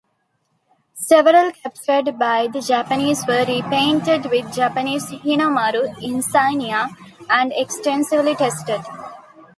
Several captured by the Japanese were repainted with Japanese "Hinomaru" insignia and extensively tested.